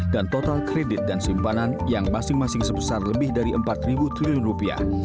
dan total kredit dan simpanan yang masing masing sebesar lebih dari empat triliun rupiah